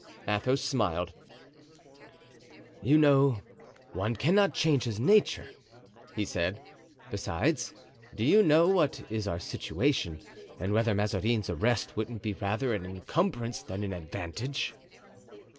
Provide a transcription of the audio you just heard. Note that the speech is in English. Athos smiled. "You know one cannot change his nature," he said. "Besides, do you know what is our situation, and whether Mazarin's arrest wouldn't be rather an encumbrance than an advantage?"